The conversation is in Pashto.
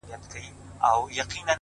• څنگه دي زړه څخه بهر وباسم ـ